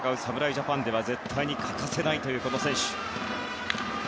ジャパンでは絶対に欠かせない選手。